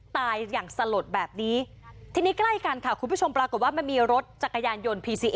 ตายอย่างสลดแบบนี้ทีนี้ใกล้กันค่ะคุณผู้ชมปรากฏว่ามันมีรถจักรยานยนต์พีซีอิ